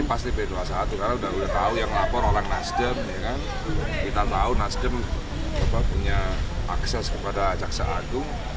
pasti b dua puluh satu karena udah tahu yang lapor orang nasdem kita tahu nasdem punya akses kepada jaksa agung